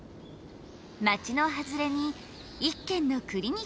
街の外れに１軒のクリニックがある。